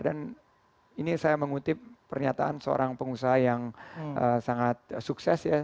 dan ini saya mengutip pernyataan seorang pengusaha yang sangat sukses ya